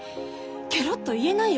ケロッと言えないよ